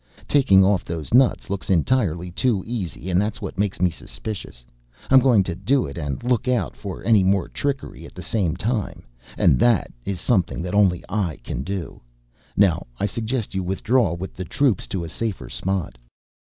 Taking off those nuts looks entirely too easy, and that's what makes me suspicious. I'm going to do it and look out for any more trickery at the same time and that is something that only I can do. Now I suggest you withdraw with the troops to a safer spot."